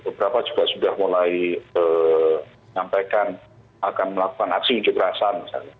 beberapa juga sudah mulai menyampaikan akan melakukan aksi unjuk rasa